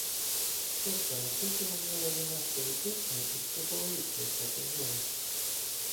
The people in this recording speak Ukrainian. Тобто наскільки можлива війна з політичної і психологічної точок зору?